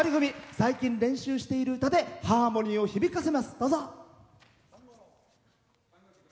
最近練習している歌でハーモニーを響かせます。